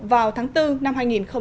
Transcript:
vào tháng bốn năm hai nghìn một mươi bảy